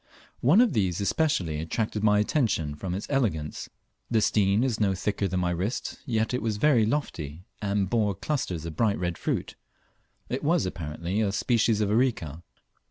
One of these especially attracted my attention from its elegance. The stein was not thicker than my wrist, yet it was very lofty, and bore clusters of bright red fruit. It was apparently a species of Areca.